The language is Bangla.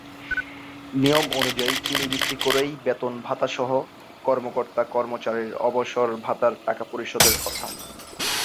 নিয়ম অনুযায়ী চিনি বিক্রি করেই বেতন-ভাতাসহ কর্মকর্তা-কর্মচারীর অবসর ভাতার টাকা পরিশোধের কথা।